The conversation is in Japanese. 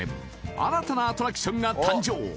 新たなアトラクションが誕生！